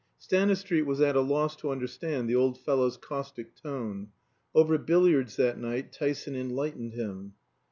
Stanistreet was at a loss to understand the old fellow's caustic tone. Over billiards that night Tyson enlightened him.